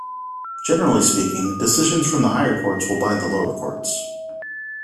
Generally speaking decisions from the higher courts will bind the lower courts.